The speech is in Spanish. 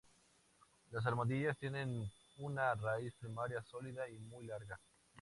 Las almohadillas tienen una raíz primaria, sólida, y muy larga.